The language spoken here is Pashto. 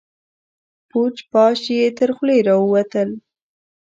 پوچ، پاش يې تر خولې راوتل.